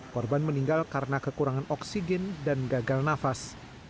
korban meninggal karena kekurangan oksigen dan gagal nafas